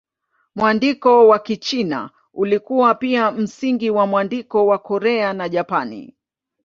Mwandiko wa Kichina ulikuwa pia msingi wa mwandiko wa Korea na Japani.